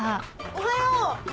おはよう。